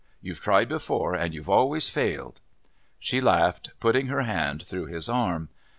You've tried before and you've always failed." She laughed, putting her hand through his arm.